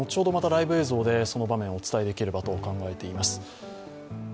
ライブ映像でその場面をお伝えできればと考えています。